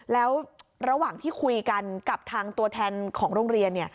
แล้วระหว่างที่คุยกันกับทางตัวแทนของโรงเรียนเนี่ย